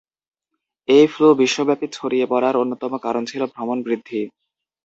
এই ফ্লু বিশ্বব্যাপী ছড়িয়ে পরার অন্যতম কারণ ছিল ভ্রমণ বৃদ্ধি।